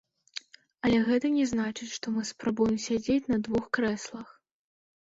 Але гэта не значыць, што мы спрабуем сядзець на двух крэслах.